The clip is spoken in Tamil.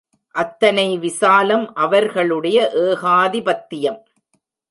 அத்தனை விசாலம் அவர்களுடைய ஏகாதிபத்தியம்!